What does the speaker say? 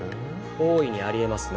大いにあり得ますね